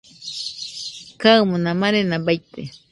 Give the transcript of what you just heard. Kaɨmona marena baite